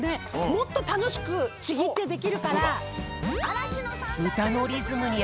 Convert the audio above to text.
もっとたのしくちぎってできるから。